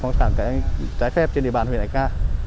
phóng sản trái phép trên địa bàn huyện erka